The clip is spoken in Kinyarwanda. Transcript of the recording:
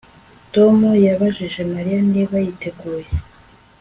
Tom yabajije Mariya niba yiteguye